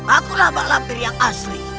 akulah malampir yang asli